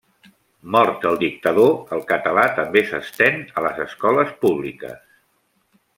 Mort el dictador, el català també s'estén a les escoles públiques.